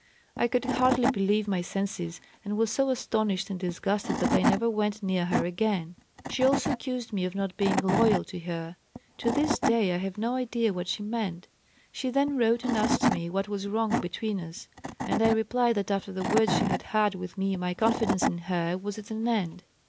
I could hardly believe my senses and was so astonished and disgusted that I never went near her again. She also accused me of not being 'loyal' to her; to this day I have no idea what she meant. She then wrote and asked me what was wrong between us, and I replied that after the words she had had with me my confidence in her was at an end.